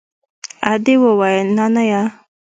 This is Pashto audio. ادې وويل نانيه.